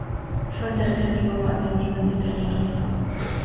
Fue el tercer libro más vendido en ese año en los Estados Unidos.